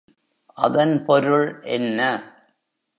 அதன் பொருள் என்ன?